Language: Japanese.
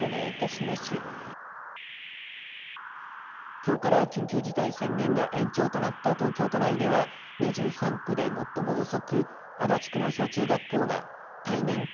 きょうから緊急事態宣言が延長となった東京都内では２３区で最も遅く足立区の小中学校が対面か